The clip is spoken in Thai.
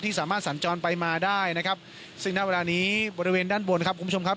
สามารถสัญจรไปมาได้นะครับซึ่งณเวลานี้บริเวณด้านบนครับคุณผู้ชมครับ